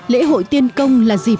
lễ hội tiên công là gì